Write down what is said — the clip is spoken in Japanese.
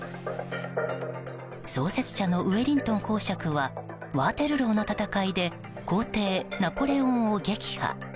創設者のウェリントン侯爵はワーテルローの戦いで皇帝ナポレオンを撃破。